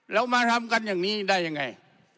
เรามาทำกันอย่างนี้ได้ยังไง